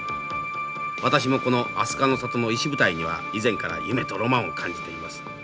私もこの飛鳥の里の石舞台には以前から夢とロマンを感じています。